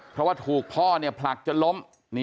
เพราะว่าถูกพ่อเนี่ยผลักจะล้ม